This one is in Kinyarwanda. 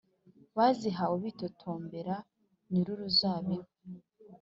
Bazihawe bitotombera nyir’uruzabibu